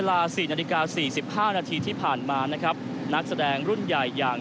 นาฬิกา๔๕นาทีที่ผ่านมานะครับนักแสดงรุ่นใหญ่อย่าง